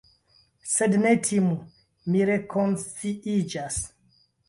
Sed ne timu; mi rekonsciiĝas.